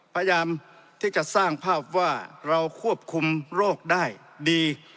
พยายามที่จะสร้างภาพว่าเราควบคุมโรคได้ดี